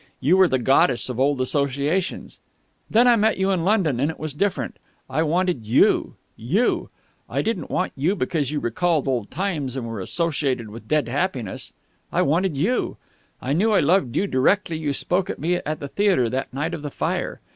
You were the goddess of old associations. Then I met you in London, and it was different. I wanted you you! I didn't want you because you recalled old times and were associated with dead happiness, I wanted you! I knew I loved you directly you spoke to me at the theatre that night of the fire.